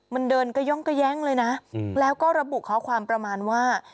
มันเดินกระย่องกระแย้งเลยนะแล้วก็ระบุข้อความประมาณว่า